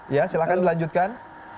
ya silakan dilanjutkan